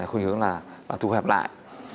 khuyến hướng là thu hẹp lại